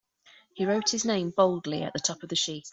He wrote his name boldly at the top of the sheet.